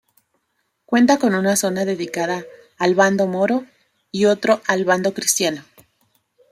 Cuenta con una zona dedicada al bando moro y otro al bando cristiano.